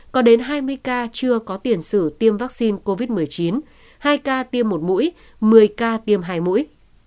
có đến hai mươi ca chưa có tiền sử tiêm vaccine covid một mươi chín hai ca tiêm một mũi một mươi ca tiêm hai mũi